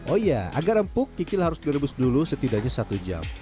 oh iya agar empuk kikil harus direbus dulu setidaknya satu jam